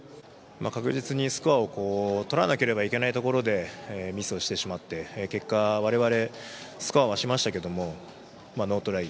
確実にスコアを取らなければいけないところでミスをしてしまって結果、我々スコアはしましたけれどもノートライ。